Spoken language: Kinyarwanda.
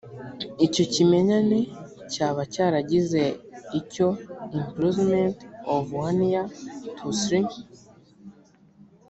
icyo kimenyane cyaba cyaragize icyo imprisonment of one year to three